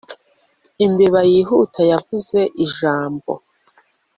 Imbeba yihuta yavuze ijambo